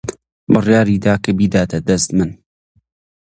بڕیاری دا کە بیداتە دەست من